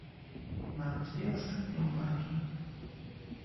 Mam dwie ostatnie uwagi